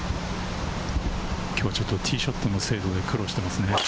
今日ちょっとティーショットの精度で苦労していますね。